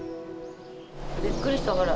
びっくりしたから。